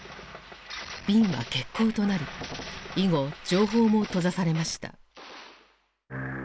便は欠航となり以後情報も閉ざされました。